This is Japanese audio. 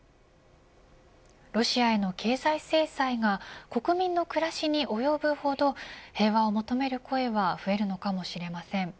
ロシアへの経済制裁が国民の暮らしに及ぶほど平和を求める声は増えるのかもしれません。